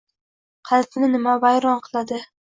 Qalbni nima vayron qiladi?